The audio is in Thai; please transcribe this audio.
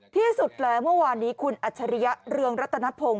ที่สุดแล้วเมื่อวานนี้คุณอัจฉริยะเรืองรัตนพงศ